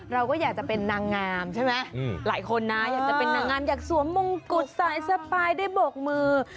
เราก็อยากจะเป็นนางงามใช่ไหมหลายคนนะอยากจะเป็นนางงามอยากสวมมงกุฎสายสปายได้โบกมือ